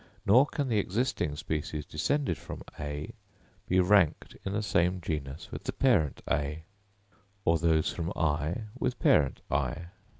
Nor can the existing species descended from A be ranked in the same genus with the parent A, or those from I with parent I.